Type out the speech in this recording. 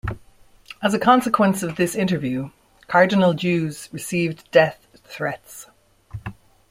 As a consequence of this interview, Cardinal Joos received death threats.